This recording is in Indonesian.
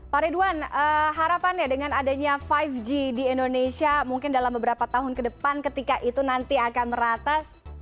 pak ridwan harapannya dengan adanya lima g di indonesia mungkin dalam beberapa tahun ke depan ketika itu nanti akan merata